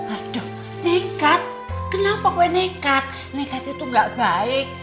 aduh nekat kenapa gue nekat nekat itu gak baik